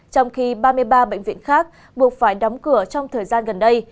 trong khi ba mươi ba bệnh viện khác buộc phải đóng cửa trong thời gian gần đây